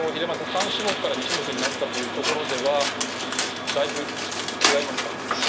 ３種目から２種目になったというところではだいぶ違いますか？